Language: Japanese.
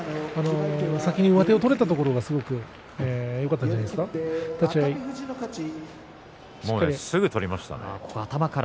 先に上手を取れたところがすごくよかったんじゃないですか。